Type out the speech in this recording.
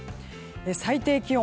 最低気温。